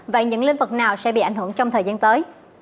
vậy những lĩnh vực nào sẽ bị ảnh hưởng trong thời gian tới